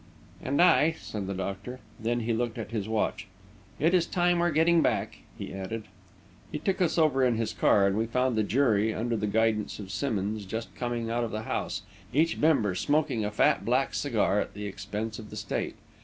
"And I," said the doctor. Then he looked at his watch. "It's time we were getting back," he added. He took us over in his car, and we found the jury, under the guidance of Simmonds, just coming out of the house, each member smoking a fat black cigar at the expense of the State.